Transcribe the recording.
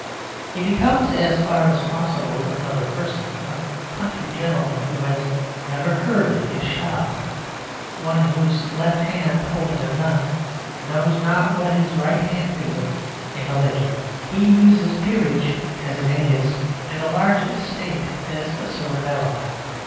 He becomes as far as possible another person a country gentleman who has never heard of his shop; one whose left hand holding a gun knows not what his right hand doeth in a ledger. He uses a peerage as an alias, and a large estate as a sort of alibi.